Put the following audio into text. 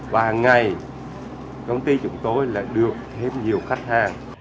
và hằng ngày công ty chúng tôi lại được thêm nhiều khách hàng